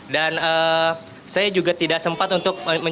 dan saya juga tidak sempat untuk berpengalaman